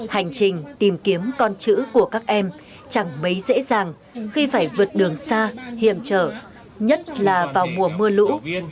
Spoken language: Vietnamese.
hành trình tìm kiếm con chữ của các em chẳng mấy dễ dàng khi phải vượt đường xa hiểm trở nhất là vào mùa mưa lũ